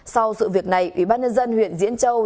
sau sự việc này ủy ban nhân dân huyện diễn châu